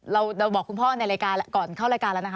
เราบอกคุณพ่อในรายการก่อนเข้ารายการแล้วนะคะ